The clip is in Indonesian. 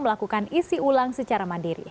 melakukan isi ulang secara mandiri